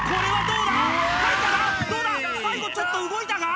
最後ちょっと動いたか？